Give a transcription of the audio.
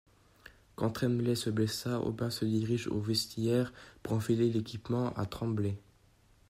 Quant Tremblay se blessa, Aubin se dirige au vestiaire pour enfiler l'équipement à Tremblay.